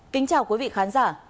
kính chào quý vị khán giả